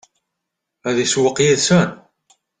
Ad isewweq yid-sen?